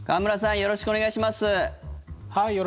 よろしくお願いします。